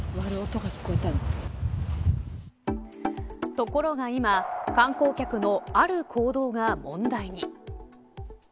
ところが今観光客のある行動が問題に。